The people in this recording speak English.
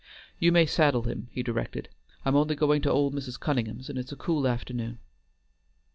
"You may saddle him," he directed. "I am only going to old Mrs. Cunningham's, and it is a cool afternoon."